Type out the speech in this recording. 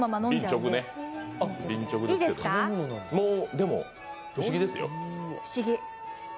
でも不思議ですよ。